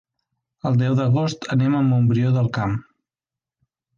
El deu d'agost anem a Montbrió del Camp.